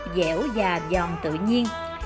dẻo và giòn tự nhiên